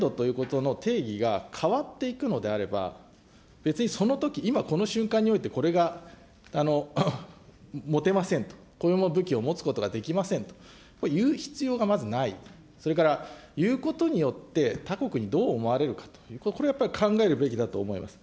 ところが、必要最少限度ということの定義が変わっていくのであれば、別にそのとき、今その瞬間においてこれが持てませんと、こういう武器を持つことができませんと。いうひつようがまずないとそれからいうことによって、他国にどう思われるかというと、これは考えるべきだと思います。